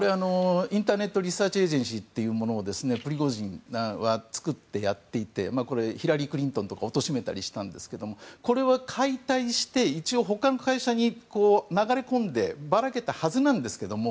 インターネット・リサーチ・エージェンシーというものを、プリゴジンは作って、やっていてヒラリー・クリントンとかをおとしめたりしたんですがこれは解体して他の会社に流れ込んでばらけたはずなんですけども。